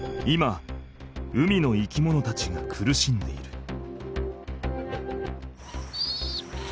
今海の生き物たちが苦しんでいる。